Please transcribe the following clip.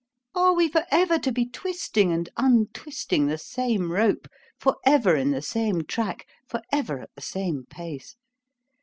Are we for ever to be twisting, and untwisting the same rope? for ever in the same track—for ever at the same pace?